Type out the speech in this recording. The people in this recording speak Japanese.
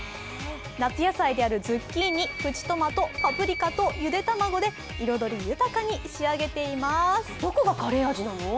夏野菜であるズッキーニ、プチトマト、パプリカとゆで卵で彩り豊かに仕上げています。